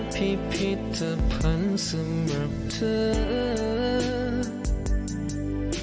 พิพิธภัณฑ์สำหรับเธอ